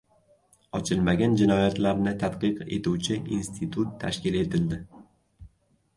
Ochilmagan jinoyatlarni tadqiq etuvchi institut tashkil etildi